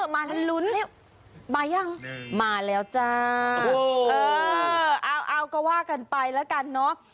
มาลุ้นมายังมาแล้วจ้าเออเอาก็ว่ากันไปแล้วกันเนอะ